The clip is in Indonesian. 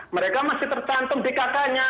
mereka masih tercantum di kk nya